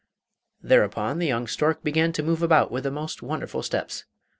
Thereupon the young stork began to move about with the most wonderful steps.